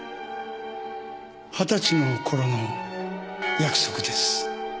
二十歳のころの約束です。